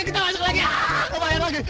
kita masuk lagi